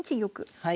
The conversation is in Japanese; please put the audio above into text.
はい。